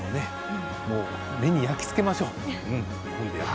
目に焼き付けましょう。